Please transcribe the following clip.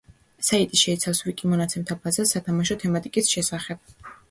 საიტი შეიცავს ვიკი მონაცემთა ბაზას სათამაშო თემატიკის შესახებ.